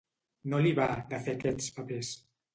No li va, de fer aquests papers.